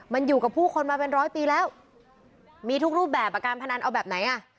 มันอยู่กับผู้คนมาเป็นร้อยปีแล้วมีทุกรูปแบบการพนันเอาแบบไหนอ่ะ